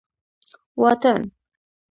واټن